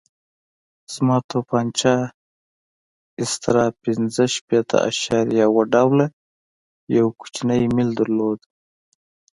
زما تومانچه استرا پنځه شپېته اعشاریه اوه ډوله یو کوچنی میل درلود.